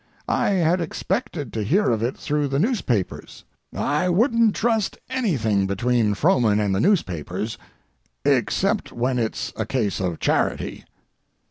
I had expected to hear of it through the newspapers. I wouldn't trust anything between Frohman and the newspapers—except when it's a case of charity!